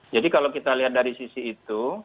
jadi kalau kita lihat dari sisi itu